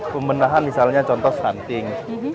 pemenahan misalnya contoh stunting